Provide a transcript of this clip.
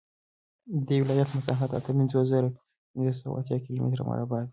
د دې ولایت مساحت اته پنځوس زره پنځه سوه څلور اتیا کیلومتره مربع دی